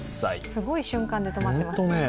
すごい瞬間で止まってます。